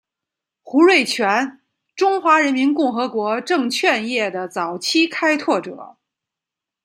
胡瑞荃中华人民共和国证券业的早期开拓者。